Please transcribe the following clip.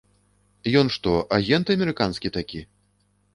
Ён што, агент амерыканскі такі?